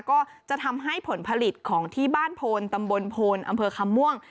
ก็จะทำให้ผลผลิตของที่บ้านโพนตำบลโพนอำเภอคำม่วง